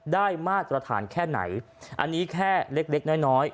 ได้มาตรฐานแค่ไหนอันนี้แค่เล็กเล็กน้อยน้อย